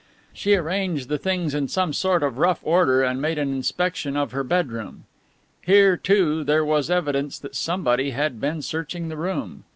She arranged the things in some sort of rough order and made an inspection of her bedroom. Here, too, there was evidence that somebody had been searching the room.